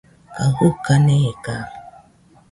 kaɨ jɨka neka